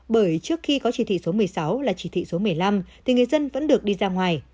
bởi trước khi có chỉ thị số một mươi sáu là chỉ thị số một mươi năm thì người dân vẫn được đi ra ngoài